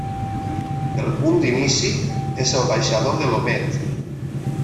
El punt d'inici és el baixador de l'Omet.